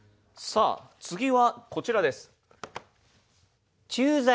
次はこちらです。